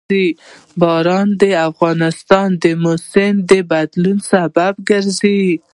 باران د افغانستان د موسم د بدلون سبب کېږي.